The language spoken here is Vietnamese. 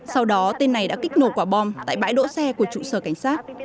sau đó tên này đã kích nổ quả bom tại bãi đỗ xe của trụ sở cảnh sát